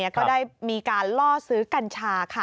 ก็ได้มีการล่อซื้อกัญชาค่ะ